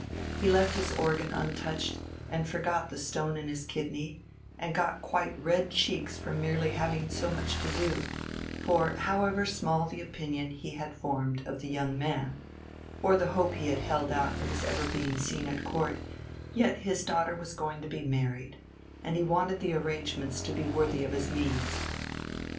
He left his organ untouched, and forgot the stone in his kidney, and got quite red cheeks from merely having so much to do; for however small the opinion he had formed of "the young man," or the hope he held out of his ever being seen at Court, yet his daughter was going to be married, and he wanted the arrangements to be worthy of his means.